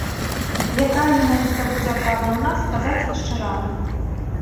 Якая менавіта будзе абраная ў нас, казаць яшчэ рана.